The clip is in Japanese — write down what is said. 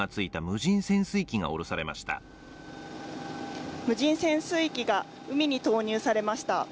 無人潜水機が海に投入されました。